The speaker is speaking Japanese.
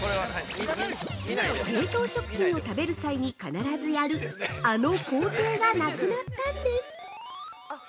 冷凍食品を食べる際に必ずやるあの工程がなくなったんです！